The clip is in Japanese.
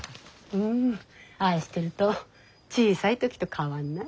うんああしてると小さい時と変わんない。